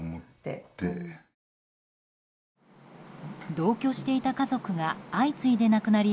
同居していた家族が相次いで亡くなり